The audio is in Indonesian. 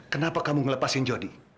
kenapa kamu melepaskan jody